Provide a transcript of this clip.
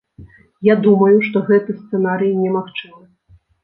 Я думаю, што гэты сцэнарый немагчымы.